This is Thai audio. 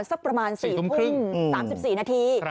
สักประมาณ๔ทุ่ม๓๔นาที